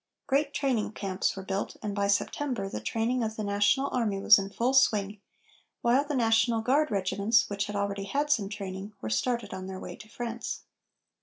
Great training camps were built, and by September, the training of the National Army was in full swing, while the National Guard regiments, which had already had some training, were started on their way to France.